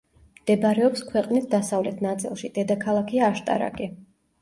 მდებარეობს ქვეყნის დასავლეთ ნაწილში, დედაქალაქია აშტარაკი.